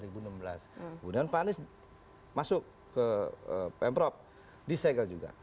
kemudian pak anies masuk ke pemprov disegel juga